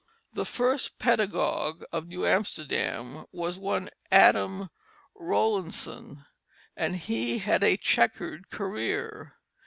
The first pedagogue of New Amsterdam was one Adam Roelantsen, and he had a checkered career.